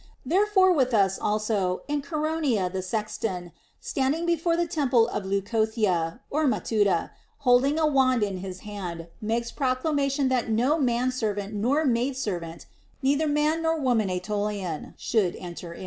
Therefore with us also in Chaeronea the sexton, standing before the temple of Leucothea (Matuta) holding a wand in his hand, makes proclamation that no man servant nor maid servant, neither man nor woman Aetolian, should enter in.